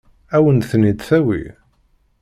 Ad wen-ten-id-tawi?